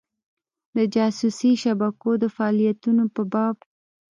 د جاسوسي شبکو د فعالیتونو په باب.